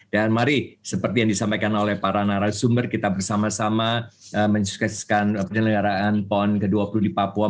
dan mari seperti yang disampaikan oleh para narasumber kita bersama sama menyesuaikan penyelenggaraan pon ke dua puluh di papua